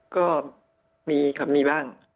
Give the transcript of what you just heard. ก็มีครับมีบ้าง